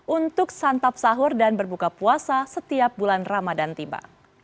untuk santap sahur dan berbuka puasa setiap bulan ramadan tiba